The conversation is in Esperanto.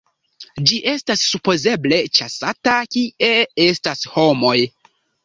Ĝi estas supozeble ĉasata kie estas homoj.